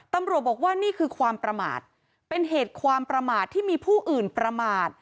ตำรวจบอกว่านี่คือความประมาทเป็นเหตุความประมาทที่มีผู้อื่นประมาท